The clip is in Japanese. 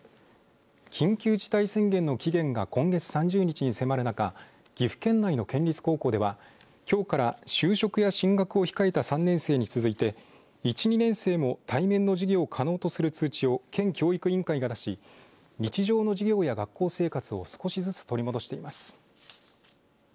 緊急事態宣言の期限が今月３０日に迫る中岐阜県内の県立高校ではきょうから就職や進学を控えた３年生に続いて１、２年生も対面の授業を可能とする通知を県教育委員会が出し日常の授業や、学校生活を少しずつ取り戻しています。